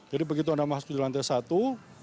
jadi begitu anda masuk ke lantai satu